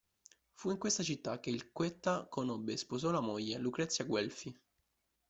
Fu in questa città che il Quetta conobbe e sposò la moglie, Lucrezia Guelfi.